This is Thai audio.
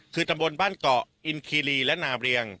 คือตำบลบ้านเกาะอินคีรีและนาเรียง